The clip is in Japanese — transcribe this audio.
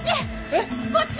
えっ？こっち。